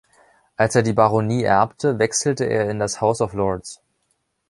Als er die Baronie erbte, wechselte er in das House of Lords.